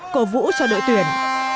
cổ vũ cho đội tuyển